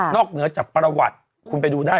นอกเภ้าจากปฤวาจคุณไปดูได้